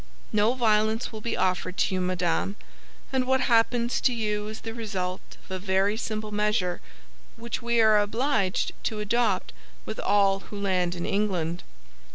"No violence will be offered to you, madame, and what happens to you is the result of a very simple measure which we are obliged to adopt with all who land in England."